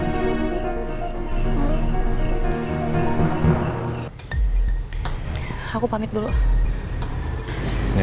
tunggu aku mau cari tunggu aku mau cari